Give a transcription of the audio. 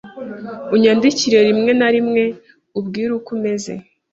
Unyandikire rimwe na rimwe umbwire uko umeze.